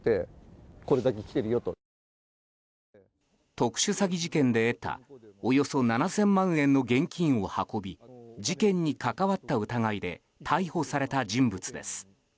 特殊詐欺事件で得たおよそ７０００万円の現金を運び事件に関わった疑いで逮捕された人物です。